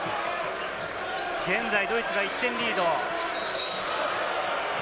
現在、ドイツが１点リード。